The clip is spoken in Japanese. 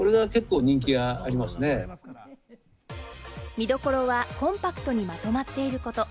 見どころは、コンパクトにまとまっていること。